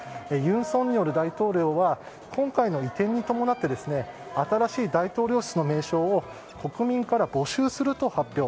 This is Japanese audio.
尹錫悦大統領は今回の移転に伴って新しい大統領室の名称を国民から募集すると発表。